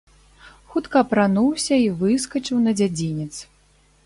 Хутка апрануўся і выскачыў на дзядзінец.